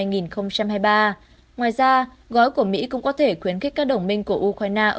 ngoài ra gói của mỹ cũng có thể khuyến khích các đồng minh của ukraine ở